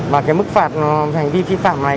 và cái mức phạt hành vi vi phạm này